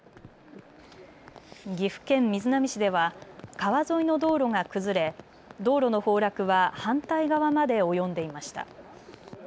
岐阜県瑞浪市では川沿いの道路が崩れ道路の崩落は反対側までおよんでいました。